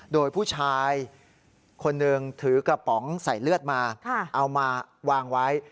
โดยผู้ชายคนหนึ่งถือกระป๋องใส่เลือดมาเอามาวางไว้